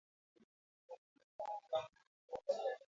Aliwaambia wafuasi wake hataki siasa za Zimbabwe kusababisha kifo chochote